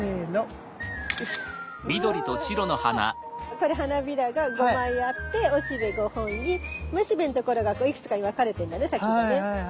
これ花びらが５枚あっておしべ５本にめしべのところがこういくつかに分かれてんだね先がね。